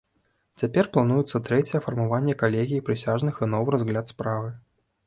Цяпер плануецца трэцяе фармаванне калегіі прысяжных і новы разгляд справы.